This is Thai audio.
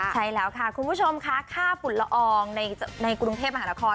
ใช่แล้วค่ะคุณผู้ชมค่ะค่าฝุ่นละอองในกรุงเทพมหานคร